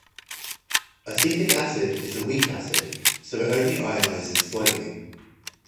Acetic acid is a weak acid so it only ionizes slightly.